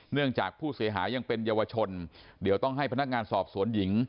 จากผู้เสียหายังเป็นเยาวชนเดี๋ยวต้องให้พนักงานสอบสวนหญิง